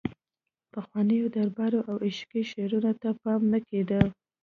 پخوانیو درباري او عشقي شعرونو ته پام نه کیده